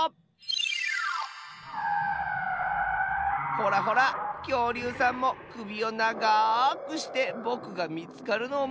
ほらほらきょうりゅうさんもくびをながくしてぼくがみつかるのをまってるッスよ。